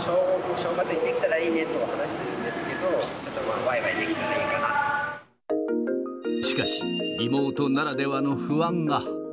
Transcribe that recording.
正月にできたらいいねとは話してたんですけど、わいわいできたらしかし、リモートならではの不安が。